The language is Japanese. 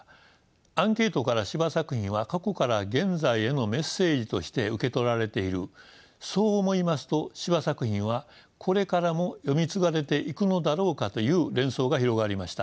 アンケートから司馬作品は過去から現在へのメッセージとして受け取られているそう思いますと司馬作品はこれからも読み継がれていくのだろうかという連想が広がりました。